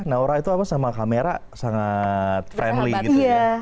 naura itu apa sama kamera sangat friendly gitu ya